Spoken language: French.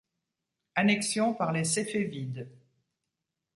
Annexion par les Séfévides.